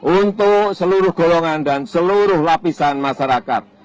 untuk seluruh golongan dan seluruh lapisan masyarakat